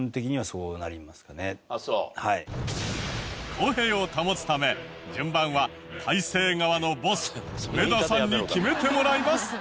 公平を保つため順番は体制側のボス上田さんに決めてもらいます。